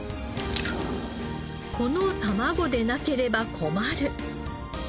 このたまごでなければ困る。